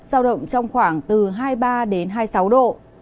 sao động trong khoảng từ hai mươi ba hai mươi sáu độ